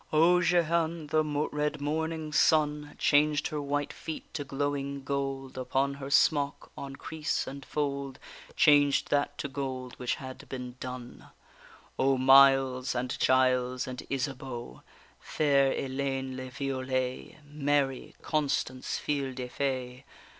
O Jehane! the red morning sun Changed her white feet to glowing gold, Upon her smock, on crease and fold, Changed that to gold which had been dun. O Miles, and Giles, and Isabeau, Fair Ellayne le Violet, Mary, Constance fille de fay!